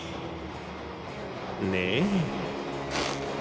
ねえ？